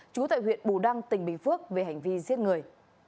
chú tại huyện bù đăng tỉnh bình phước về hành vi giết người